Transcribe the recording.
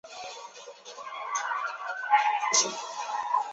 这项研究旨在了解一个地区的空间结构和性质。